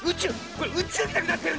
これうちゅうみたくなってる。